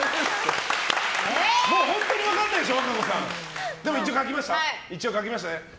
本当に分からないでしょ。